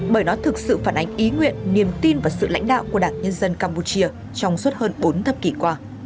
bởi nó thực sự phản ánh ý nguyện niềm tin và sự lãnh đạo của đảng nhân dân campuchia trong suốt hơn bốn thập kỷ qua